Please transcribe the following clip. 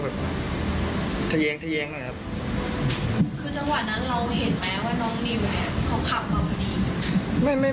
คือจังหวะนั้นเราเห็นไหมว่าน้องนิวก็ขับเราไปดี